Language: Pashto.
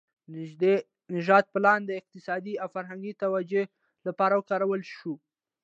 نژاد پالنه د اقتصادي او فرهنګي توجیه لپاره وکارول شوه.